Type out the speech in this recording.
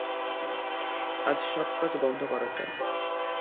আজ সব কাজ বন্ধ করা চাই।